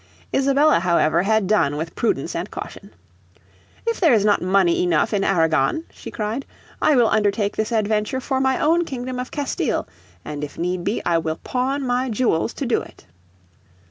Isabella, however, had done with prudence and caution. "If there is not money enough in Aragon," she cried, "I will undertake this adventure for my own kingdom of Castile, and if need be I will pawn my jewels to do it."